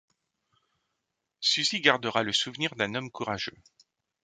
Suzy gardera le souvenir d'un homme courageux.